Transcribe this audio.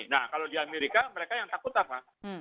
nah kalau di amerika mereka yang takut apa